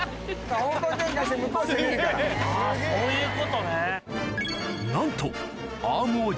あぁそういうことね。